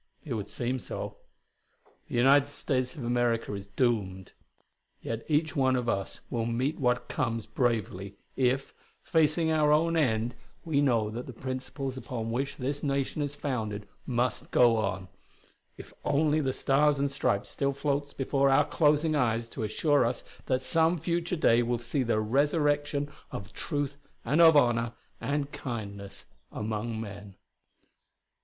It would seem so. The United States of America is doomed. Yet each one of us will meet what comes bravely, if, facing our own end, we know that the principles upon which this nation is founded must go on; if only the Stars and Stripes still floats before our closing eyes to assure us that some future day will see the resurrection of truth and of honor and kindness among men.